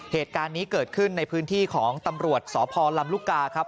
เหตุการณ์นี้เกิดขึ้นในพื้นที่ของตำรวจสพลำลูกกาครับ